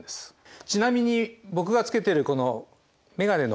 ちなみに僕がつけてるこの眼鏡の。